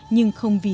nhưng không vì đó